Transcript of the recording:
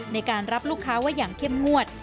ในการรับลูกค้าไว้อย่างเข้มงวด